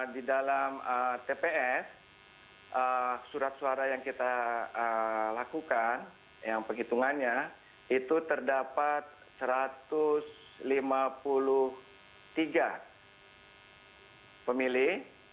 di dalam tps surat suara yang kita lakukan yang penghitungannya itu terdapat satu ratus lima puluh tiga pemilih